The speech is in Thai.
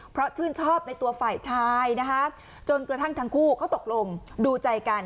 เพราะชื่นชอบในตัวฝ่ายชายนะคะจนกระทั่งทั้งคู่เขาตกลงดูใจกัน